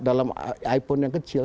dalam iphone yang kecil